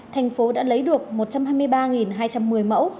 thành phố đã lấy được một trăm hai mươi ba hai trăm hai mươi ca